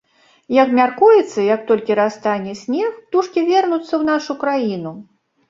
Як мяркуецца, як толькі растане снег, птушкі вернуцца ў нашу краіну.